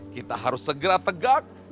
kita harus segera tegak